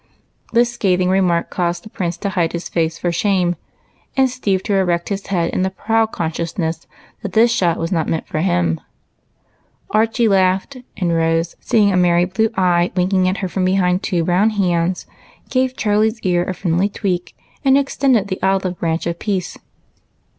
" This scathing remark caused the Prince to hide his face for shame, and Steve to erect his head in the proud consciousness that this shot was not meant for him. Archie laughed, and Rose, seeing a merry blue eye winking at her from behind two brown hands, gave Charlie's ear a friendly tweak, and extended the olive branch of peace.